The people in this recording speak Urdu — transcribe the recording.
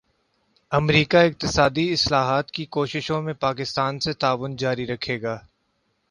امریکا اقتصادی اصلاحات کی کوششوں میں پاکستان سے تعاون جاری رکھے گا